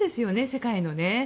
世界のね。